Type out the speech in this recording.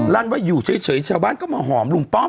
ลั่นว่าอยู่เฉยชาวบ้านก็มาหอมลุงป้อม